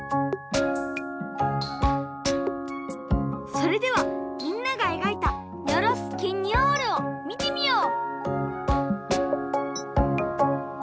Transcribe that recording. それではみんながえがいたニョロス・ケニョールをみてみよう！